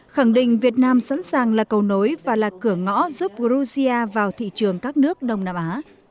khẳng định việt nam sẵn sàng là cầu nối và là cửa ngõ giúp georgia vào thị trường các nước đông nam á